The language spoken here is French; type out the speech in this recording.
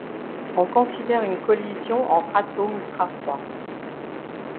On considère une collision entre atomes ultrafroids.